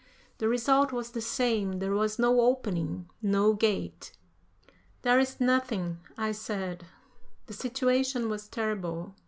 The result was the same; there was no opening, no gate. "There is nothing," I said. The situation was terrible.